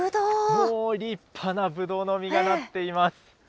もう立派なぶどうの実がなっています。